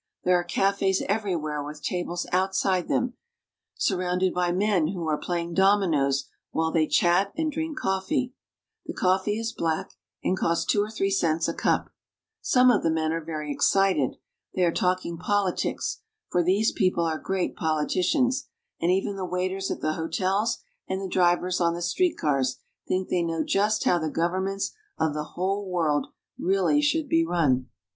There are cafes everywhere with tables out side them, surrounded by men who are playing dominoes while they chat and drink coffee. The coffee is black, and costs two or three cents a cup. Some of the men are very excited. They are talking politics ; for these people are great politicians, and even the waiters at the hotels and the drivers on the street cars think they know just how the governments of the whole world should be run.